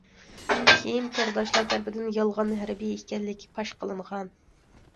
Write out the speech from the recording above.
كېيىن تورداشلار تەرىپىدىن يالغان ھەربىي ئىكەنلىكى پاش قىلىنغان.